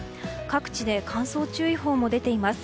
各地で乾燥注意報も出ています。